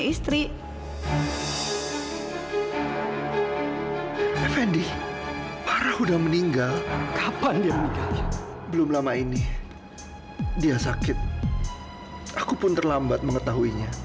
istrinya adalah farah